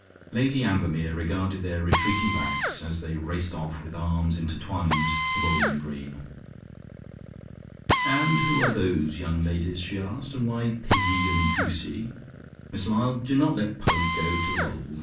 Lady Ambermere regarded their retreating backs, as they raced off with arms intertwined to the bowling green. "And who are those young ladies?" she asked. "And why Piggy and Goosie? Miss Lyall, do not let Pug go to the bowls.